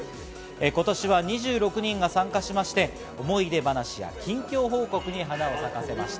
今年は２６人が参加しまして思い出話や近況報告に花を咲かせました。